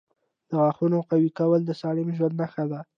• د غاښونو قوي کول د سالم ژوند نښه ده.